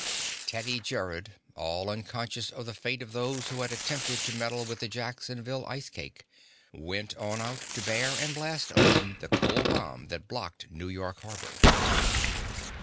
Teddy Gerrod, all unconscious of the fate of those who had attempted to meddle with the Jacksonville ice cake, went on out to bare and blast open the cold bomb that blocked New York harbor.